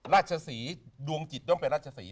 ราชศรีดวงจิตย่อมเป็นราชศรี